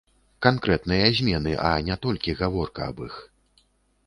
Канкрэтныя змены, а не толькі гаворка аб іх.